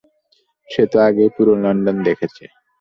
সে তো আগেই পুরা লন্ডন দেখেছে।